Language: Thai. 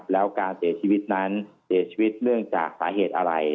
แล้วการเสียชีวิตนั้นเสียชีวิตเนื่องจากสาเหตุอะไร